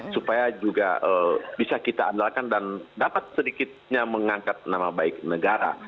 supaya juga bisa kita andalkan dan dapat sedikitnya mengangkat nama baik negara